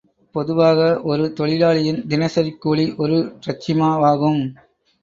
பொதுவாக ஒரு தொழிலாளியின் தினசரிக் கூலி ஒரு டிரச்சிமா வாகும்.